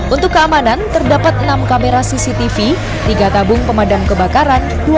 untuk keamanan terdapat enam kamera cctv tiga tabung pemadam kebakaran